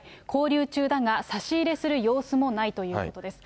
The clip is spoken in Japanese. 勾留中だが差し入れする様子もないということです。